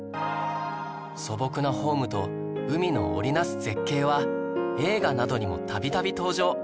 素朴なホームと海の織りなす絶景は映画などにも度々登場